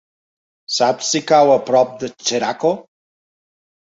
Saps si cau a prop de Xeraco?